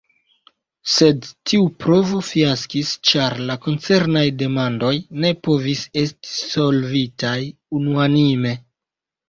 Sed tiu provo fiaskis ĉar la koncernaj demandoj ne povis esti solvitaj unuanime.